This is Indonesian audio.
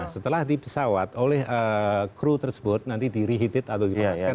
setelah di pesawat oleh kru tersebut nanti di reheated atau dipanaskan